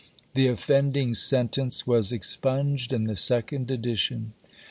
The offending sentence was expunged in the second edition.